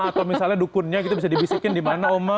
atau misalnya dukunnya gitu bisa dibisikin di mana oma